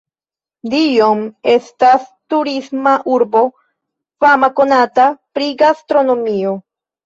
Dijon estas turisma urbo fama konata pri gastronomio.